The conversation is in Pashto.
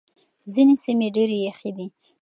ځينې سيمې ډېرې يخې دي.